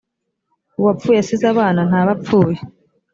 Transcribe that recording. uwapfuye asize abana ntaba apfuye